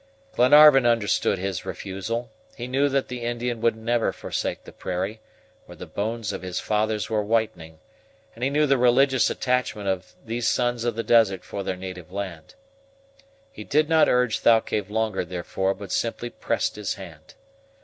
Glenarvan understood his refusal. He knew that the Indian would never forsake the prairie, where the bones of his fathers were whitening, and he knew the religious attachment of these sons of the desert for their native land. He did not urge Thalcave longer, therefore, but simply pressed his hand.